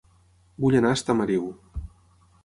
Vull anar a Estamariu